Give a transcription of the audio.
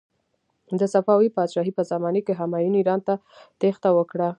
د صفوي پادشاهي په زمانې کې همایون ایران ته تیښته وکړه.